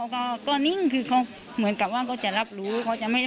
ก็นิ่งคือเขาเหมือนกับว่าเขาจะรับรู้เขาจะไม่